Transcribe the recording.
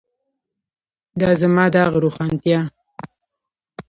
د زما داغ روښانتیا.